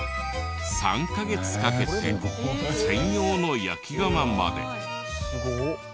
３カ月かけて専用の焼き窯まで。